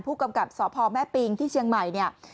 ผู้กำกับสพแม่ปิงที่เชียงใหม่เนี่ย